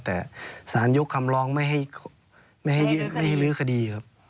แต่สารยกคำร้องไม่ให้ลื้อคดีครับ